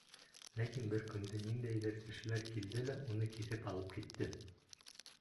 Ләкин бер көндө ниндәйҙер кешеләр килде лә уны киҫеп алып китте.